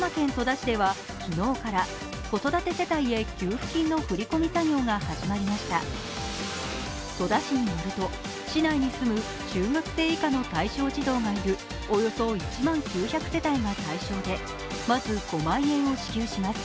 戸田市によると市内に住む中学生以下の対象児童がいるおよそ１万９００世帯が対象で、まず５万円を支給します。